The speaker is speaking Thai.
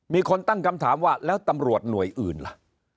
มีคนตั้งคำถามว่าแล้วตำรวจหน่วยอื่นล่ะ